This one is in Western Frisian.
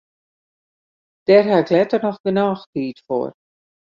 Dêr haw ik letter noch genôch tiid foar.